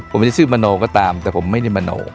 ผมจะชื่อมโนก็ตามแต่ผมไม่ได้มโน